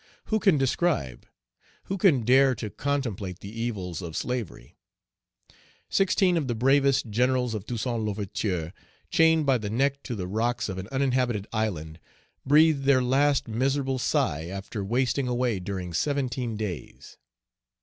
Who can describe, who can dare to contemplate, the evils of slavery? Sixteen of the bravest generals of Toussaint L'Ouverture, Page 267 chained by the neck to the rocks of an uninhabited island, breathed their last miserable sigh after wasting away during seventeen days.